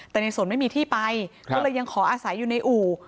แต่ในศนไม่มีที่ไปเขาเลยยังขออาศัยในอู่